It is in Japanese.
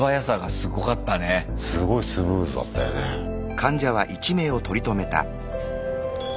すごいスムーズだったよね。